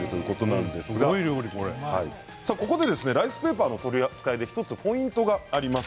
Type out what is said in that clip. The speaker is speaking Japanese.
ここでライスペーパーの取り扱いで１つポイントがあります。